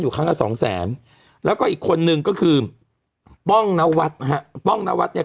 อยู่คันชะสองแสนแล้วก็อีกคนนึงก็คือนวัดนะฮะ